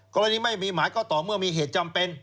กรณีไม่มีหมายก็ต่อเมื่อมีเหตุจำเป็น